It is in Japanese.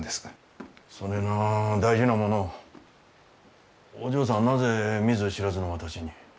そねえな大事なものをお嬢さんはなぜ見ず知らずの私に？